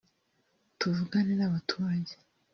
tuvugane n’abaturage